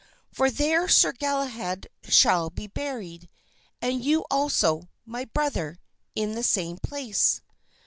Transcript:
For there Sir Galahad shall be buried, and you also, my brother, in the same place."